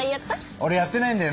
オレやってないんだよ。